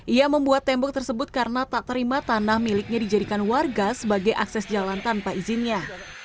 ia membuat tembok tersebut karena tak terima tanah miliknya dijadikan warga sebagai akses jalan tanpa izinnya